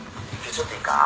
ちょっといいか？